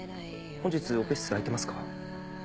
本日オペ室空いてますか？